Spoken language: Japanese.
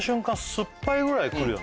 すっぱいぐらいくるよね